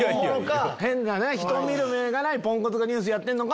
人を見る目がないポンコツがニュースやってんのか？